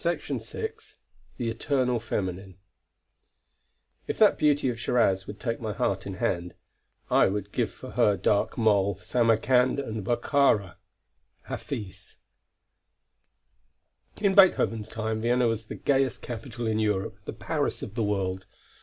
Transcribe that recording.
CHAPTER VI THE ETERNAL FEMININE If that beauty of Shiraz would take my heart in hand, I would give for her dark mole Samarkand and Bokhara. HAFIZ. In Beethoven's time, Vienna was the gayest capital in Europe, the Paris of the world.